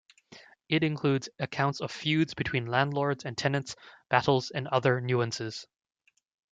It includes accounts of feuds between landlords and tenants, battles and other nuances.